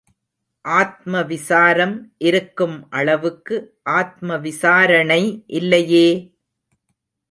ஆத்ம விசாரம் இருக்கும் அளவுக்கு ஆத்ம விசாரணை இல்லையே..!